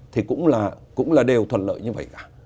thì cũng là đều thuận lợi như vậy cả